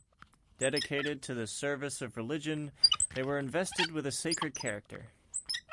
Dedicated to the service of religion, they were invested with a sacred character.